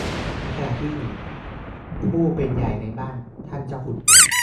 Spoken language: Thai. ในขณะที่ผู้เป็นใหญ่ในบ้านอย่างท่านเจ้าคุณ